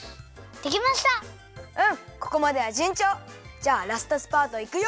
じゃあラストスパートいくよ！